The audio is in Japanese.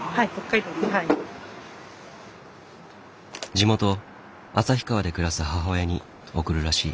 地元旭川で暮らす母親に送るらしい。